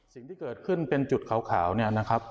สิ่งที่เกิดขึ้นเป็นจุดขาวเนี่ยนะครับ